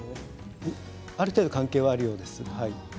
ある程度、関係はあるようです。